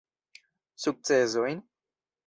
Sukcesojn?